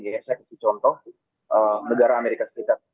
saya kasih contoh negara amerika serikat